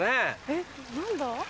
えっ何だ？